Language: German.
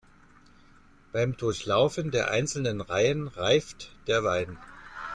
Beim Durchlaufen der einzelnen Reihen reift der Wein.